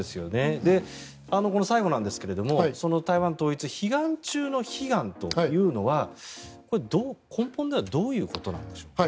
最後なんですが台湾統一悲願中の悲願というのは根本ではどういうことなんでしょうか。